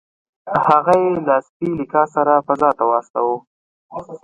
هغه یې له سپي لیکا سره فضا ته واستاوه